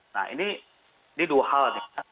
nah ini dua hal